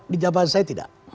di jaman saya tidak